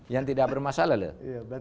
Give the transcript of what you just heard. yang tidak bermasalah